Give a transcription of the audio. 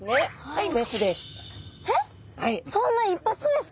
はい。